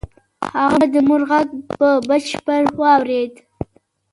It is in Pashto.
هغه د مور غږ په بشپړ ډول واورېد